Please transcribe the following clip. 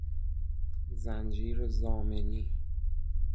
زنجیر ضامنی